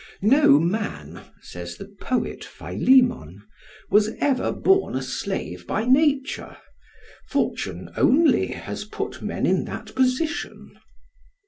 "No man," says the poet Philemon, "was ever born a slave by nature. Fortune only has put men in that position."